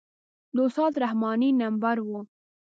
د استاد رحماني نمبر و.